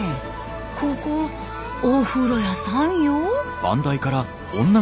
ここお風呂屋さんよ？